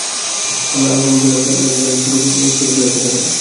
আবার আল্লাহর নামে চলিলাম লেখা গাড়ি চলতে শুরু করেই খাদে পড়ে।